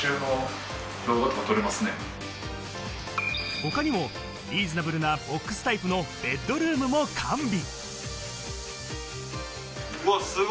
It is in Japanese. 他にもリーズナブルなボックスタイプのベッドルームも完備。